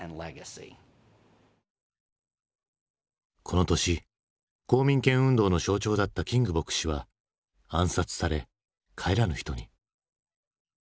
この年公民権運動の象徴だったキング牧師は暗殺され帰らぬ人に。